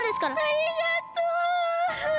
ありがとう！